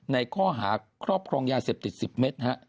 ในข้อหาครอบครองยา๗๐เมตร